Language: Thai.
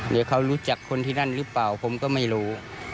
เดี๋ยวเขารู้จักคนที่นั่นหรือเปล่าผมก็ไม่รู้